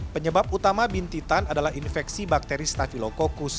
penyebab utama bintitan adalah infeksi bakteri staffylococcus